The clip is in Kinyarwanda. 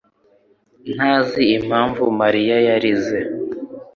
ntazi impamvu Mariya yarize.